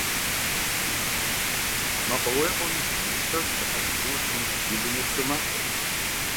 Мэкъуауэгъуэм и щэщIыр Астероидым и дунейпсо махуэщ.